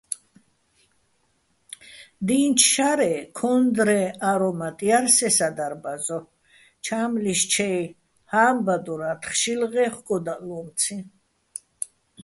დი́ნჩო̆ შარე, ქო́ნდრეჼ არომატ ჲარ სე სადარბაზო, ჩა́მლიშ ჩაჲ ჰა́მბადორა́თხ შილღეჼ ხკოდა́ღლო́მციჼ.